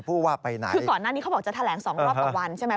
คือก่อนหน้านี้เขาบอกจะแถลง๒รอบต่อวันใช่ไหม